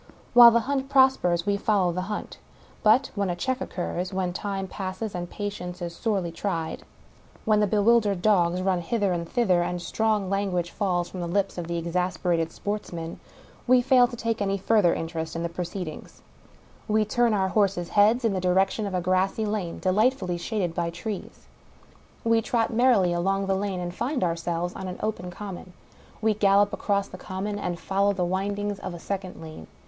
While the hunt prospers, we follow the hunt. But ^when a check occurs — ^when time passes and patience is sorely tried; wh§ai the bewildered dogs run hither and 214 WUkie Collins thither, and strong language falls from the lips of exas perated sportsmen — ^we fail to take any further interest ia the proceedings. We turn our horses' heads in the direc tion of a grassy lane, delightfully shaded by trees. We trot merrily along the lane, and find ourselves on an open common. We gallop across the common, and follow the windings of a second lane.